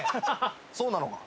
そうなのか？